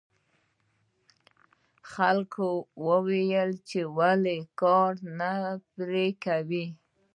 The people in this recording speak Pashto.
خلکو وویل چې ولې کار نه پرې کوې.